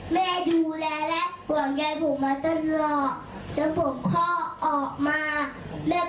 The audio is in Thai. แม่ดูแลและห่วงใยผมมาตลอด